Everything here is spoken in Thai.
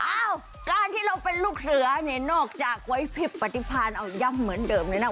อ้าวการที่เราเป็นลูกเสือเนี่ยนอกจากไว้ผิดปฏิพันธ์เอาย้ำเหมือนเดิมเลยนะ